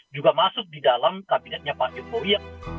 juga masuk di dalam kabinetnya pak jokowi